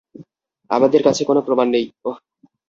আমাদের কাছে কোন প্রমাণ নেই, ওহ!